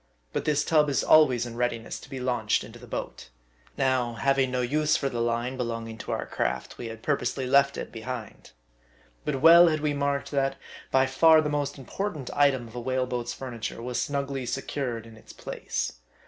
But this tub is always in readiness to be launched into the boat. Now, having no use for the line belonging to our craft, we had purposely left it behind. But well had~we marked that by far the most important item of a whale boat's furniture was snugly secured in its place.